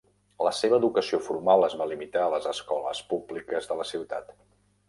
La seva educació formal es va limitar a les escoles públiques de la ciutat.